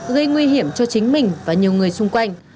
gây nguy hiểm cho chính mình và nhiều người xung quanh